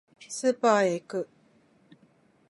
スーパーへ行く